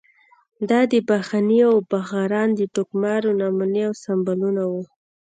دا د باغني او باغران د ټوکمارو نمونې او سمبولونه وو.